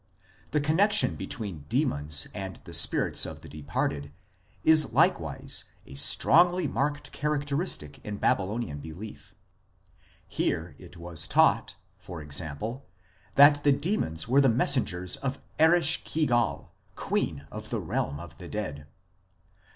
2 The connexion between demons and the spirits of the departed is likewise a strongly marked characteristic in Babylonian belief ; here it was taught, for example, that the demons were the messengers of Eresh kigal, queen of the realm of the dead.